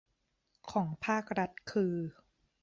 ของภาครัฐคือ